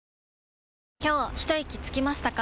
今日ひといきつきましたか？